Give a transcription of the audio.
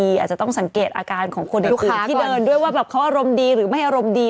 อาจจะต้องสังเกตอาการของคนในลูกค้าที่เดินด้วยว่าแบบเขาอารมณ์ดีหรือไม่อารมณ์ดี